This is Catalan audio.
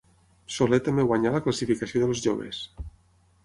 Soler també guanyà la classificació dels joves.